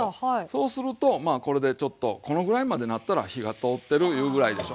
そうするとまあこれでちょっとこのぐらいまでなったら火が通ってるいうぐらいでしょ。